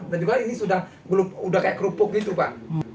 juga ini sudah kayak kerupuk gitu pak